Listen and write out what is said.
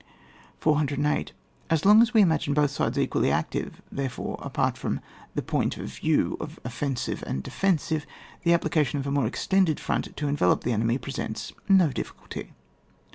408. As long as we imagine both sides equally active, therefore apart from the point of view of offensive and defensive, the application of a more extended front to envelop the enemy, presents no diffi culty.